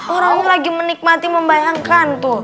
orangmu lagi menikmati membayangkan tuh